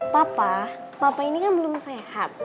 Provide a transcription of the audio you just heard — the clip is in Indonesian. papa bapak ini kan belum sehat